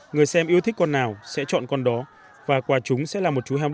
người xem yêu thích con nào sẽ chọn con đó và quà chúng sẽ là một chú heo đắt